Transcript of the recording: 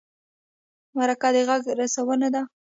مرکه د غږ رسونه ده.